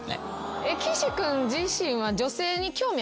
岸君自身は。